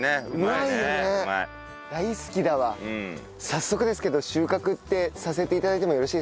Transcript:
早速ですけど収穫ってさせて頂いてもよろしいですか？